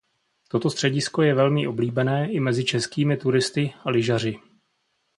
Toto středisko je velmi oblíbené i mezi českými turisty a lyžaři.